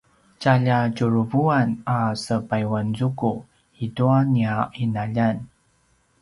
tjaljatjuruvuan a sepayuanzuku i tua nia ’inaljan